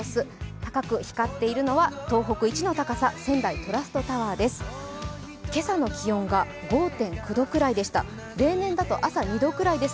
高く光っているのは東北一の高さ、仙台トラストタワーです。